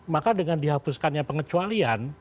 maka dengan dihapuskannya pengecualian